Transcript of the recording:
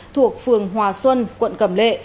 thuộc phường hòa xuân quận cầm lệ